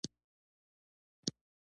د ناک جوس د بدن دفاعي سیستم قوي کوي.